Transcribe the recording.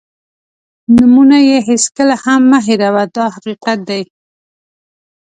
نومونه یې هېڅکله هم مه هېروه دا حقیقت دی.